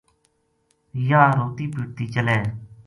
یاہ روتی پٹتی چلے